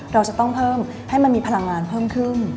เราจะต้องเพิ่มให้มันมีพลังงานเพิ่มขึ้น